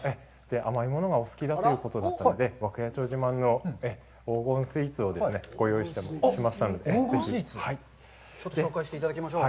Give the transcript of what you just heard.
甘いものがお好きだということだったので、涌谷町自慢の黄金スイーツをご用意しましたので、ぜひ。紹介していただきましょう。